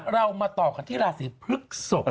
เรามาต่อกันที่ราศีพฤกษก